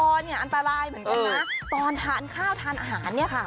เนี่ยอันตรายเหมือนกันนะตอนทานข้าวทานอาหารเนี่ยค่ะ